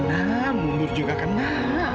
kenal mundur juga kenal